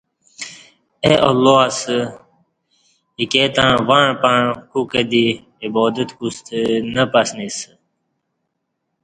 اہ االلہ اسہ ایکے تݩع وݩع پݩع کُوکہ دی عبا د ت کوستہ نہ پسنیسہ